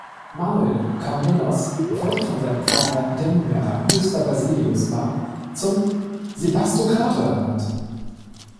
Manuel Komnenos wurde von seinem Vater, der nunmehr ranghöchster Basileus war, zum Sebastokrator ernannt.